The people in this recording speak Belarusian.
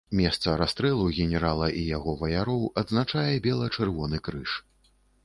Месца расстрэлу генерала і яго ваяроў адзначае бела-чырвоны крыж.